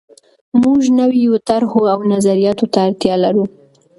موږ نویو طرحو او نظریاتو ته اړتیا لرو.